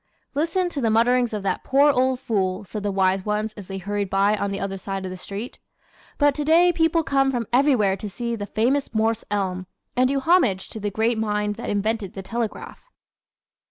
"Listen to the mutterings of that poor old fool" said the wise ones as they hurried by on the other side of the street. But today people come from everywhere to see "The Famous Morse Elm" and do homage to the great mind that invented the telegraph.